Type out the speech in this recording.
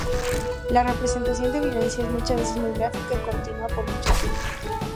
La representación de violencia es muchas veces muy gráfica y continua por mucho tiempo.